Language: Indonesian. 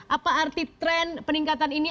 apa arti tren peningkatan ini